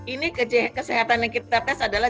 ini kesehatan yang kita tes adalah